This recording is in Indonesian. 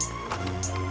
ntar kita ke rumah sakit